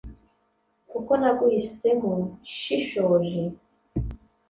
kuko naguhisemo nshishoje